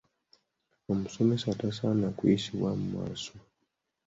Omusomesa tasaana kuyisibwamu maaso.